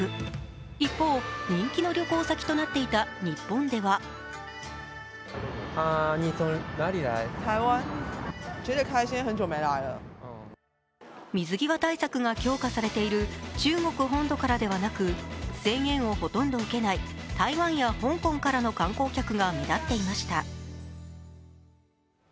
一方、人気の旅行先となっていた、日本では水際対策が強化されている中国本土からではなく制限をほとんど受けない台湾や香港からの観光客が目立っていました。